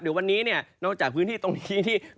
เดี๋ยววันนี้เนี่ยนอกจากพื้นที่ตรงนี้ที่